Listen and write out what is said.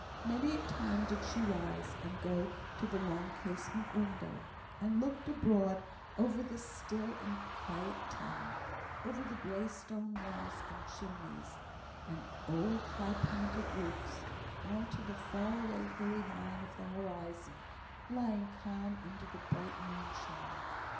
Many a time did she rise, and go to the long casement window, and look abroad over the still and quiet town over the grey stone walls, and chimneys, and old high pointed roofs on to the far away hilly line of the horizon, lying calm under the bright moonshine.